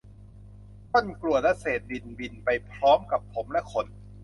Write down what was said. ก้อนกรวดและเศษดินบินไปพร้อมกับผมและขน